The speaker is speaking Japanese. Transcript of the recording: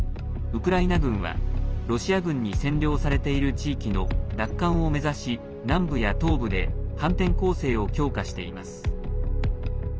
ウクライナ軍はロシア軍に占領されている地域の奪還を目指し、南部や東部で反転攻勢を強化しています。